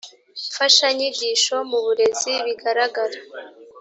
mfashanyigisho mu burezi bigaragara